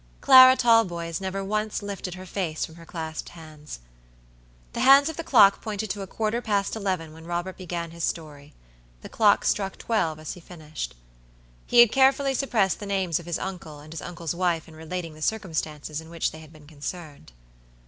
Clara Talboys never once lifted her face from her clasped hands. The hands of the clock pointed to a quarter past eleven when Robert began his story. The clock struck twelve as he finished. He had carefully suppressed the names of his uncle and his uncle's wife in relating the circumstances in which they had been concerned.